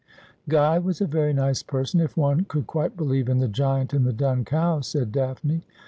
' Guy was a very nice person, if one could quite believe in the giant and the dun cow,' said Daphne.